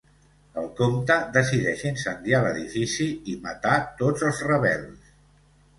El comte decideix incendiar l'edifici i matar tots els rebels.